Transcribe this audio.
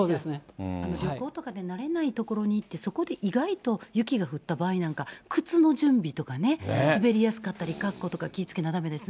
旅行とかで慣れない所に行って、そこで意外と雪が降った場合なんか、靴の準備とかね、滑りやすかったり、格好とか気をつけないとだめですね。